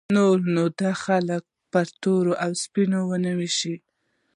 نور دې خلک په تور او سپین ونه ویشي.